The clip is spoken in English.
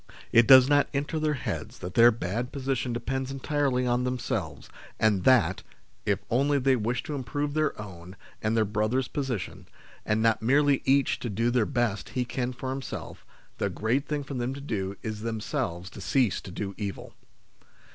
It does not enter their heads that their bad position depends entirely on themselves, and that, if only they wish to improve their own and their brothers' position, and not merely each to do the best he can for himself, the great thing for them to do is themselves to cease to do evil.